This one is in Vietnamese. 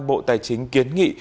bộ tài chính kiến nghị